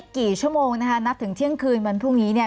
กี่ชั่วโมงนับถึงเที่ยงคืนวันพรุ่งนี้